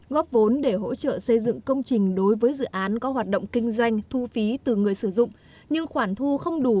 góp vốn để hỗ trợ xây dựng công trình đối với dự án có hoạt động kinh doanh thu phí từ người sử dụng